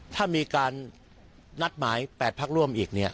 ถ้ามีการนัดหมาย๘พักร่วมอีกเนี่ย